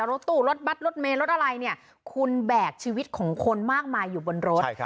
รถตู้รถบัตรรถเมย์รถอะไรเนี่ยคุณแบกชีวิตของคนมากมายอยู่บนรถ